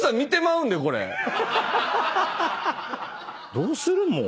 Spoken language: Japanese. どうする？